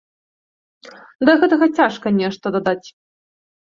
Да гэтага цяжка нешта дадаць.